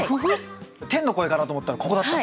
天の声かなと思ったらここだった。